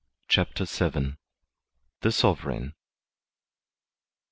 CHAPTER VIL The Sovereign.